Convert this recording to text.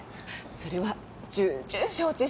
それは重々承知しております。